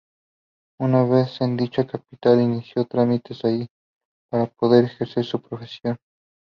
Una vez en dicha capital, inició trámites allí para poder ejercer su profesión.